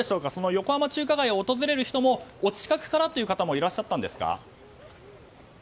横浜中華街を訪れる人もお近くからという方もいらっしゃったんですか？